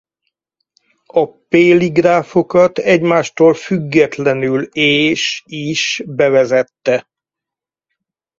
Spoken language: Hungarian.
A Paley-gráfokat egymástól függetlenül és is bevezette.